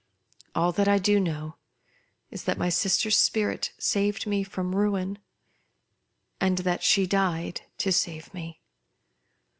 All that I do know is that 1 ay sister's spirit saved me from ruin ; and that 1 le died to save me.